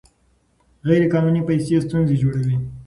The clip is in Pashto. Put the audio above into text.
غیر قانوني پیسې ستونزې جوړوي.